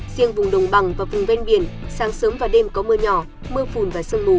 riêng vùng đồng bằng và vùng ven biển sáng sớm và đêm có mưa nhỏ mưa phùn và sương mù